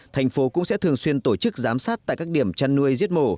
thành phố cũng sẽ thường xuyên tổ chức giám sát tại các điểm chăn nuôi giết mổ